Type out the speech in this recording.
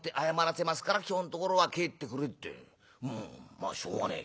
まあしょうがねえ